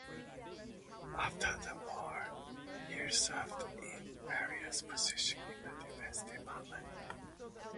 After the War, he served in various positions in the Defense Department.